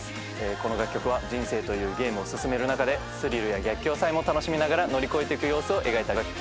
この楽曲は人生というゲームを進める中でスリルや逆境さえも楽しみながら乗り越えてく様子を描いた楽曲です。